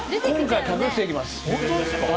今回、隠していきます。